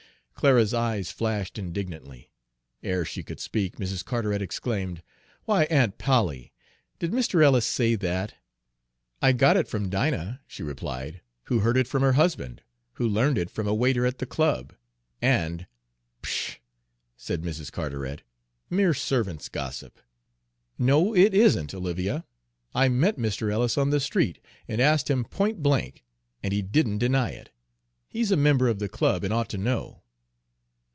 Clara's eyes flashed indignantly. Ere she could speak, Mrs. Carteret exclaimed: "Why, Aunt Polly! did Mr. Ellis say that?" "I got it from Dinah," she replied, "who heard it from her husband, who learned it from a waiter at the club. And" "Pshaw!" said Mrs. Carteret, "mere servants' gossip." "No, it isn't, Olivia. I met Mr. Ellis on the street, and asked him point blank, and he didn't deny it. He's a member of the club, and ought to know."